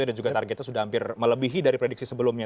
dan juga targetnya sudah hampir melebihi dari prediksi sebelumnya